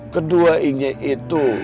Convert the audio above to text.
kedua ingin itu